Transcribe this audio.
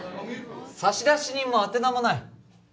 差出人も宛名もない